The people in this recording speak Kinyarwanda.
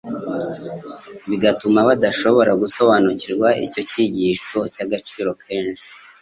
bigatuma badashobora gusobanukirwa icyo cyigisho cy'agaciro kenshi.